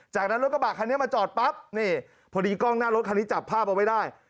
จากนั้นรถกระบะคันนี้มาจอดปั๊บนี่พอดีกล้องหน้ารถคันนี้จับภาพเอาไว้ได้